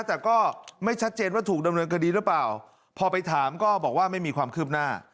แต่ก็ไม่ชัดเจนว่าถูกดำเนินคดีหรือเปล่าพอไปถามก็บอกว่าไม่มีความคืบหน้า